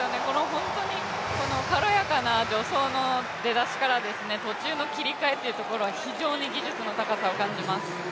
軽やかな助走の出だしから途中の切りかえは非常に技術の高さを感じます。